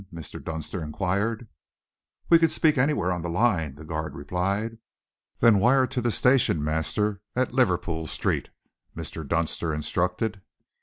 Mr. Dunster inquired. "We can speak anywhere on the line," the guard replied. "Then wire to the station master at Liverpool Street," Mr. Dunster instructed.